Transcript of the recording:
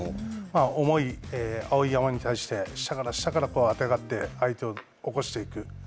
重い碧山に対して、下から下からあてがって相手を起こしていく。